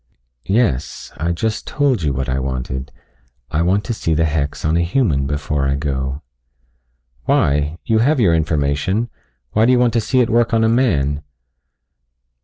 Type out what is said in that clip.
"Yes. I just told you what I wanted. I want to see the hex on a human before I go." "Why? You have your information. Why do you want to see it work on a man?"